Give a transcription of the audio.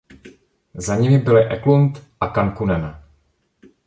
Za nimi byli Eklund a Kankkunen.